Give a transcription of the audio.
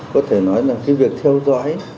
có thể nói là khi việc theo dõi